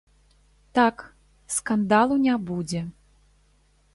Так, скандалу не будзе.